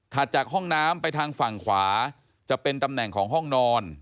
จากห้องน้ำไปทางฝั่งขวาจะเป็นตำแหน่งของห้องนอน